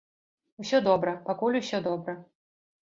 Усё добра, пакуль усё добра.